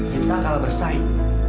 kita kalah bersaing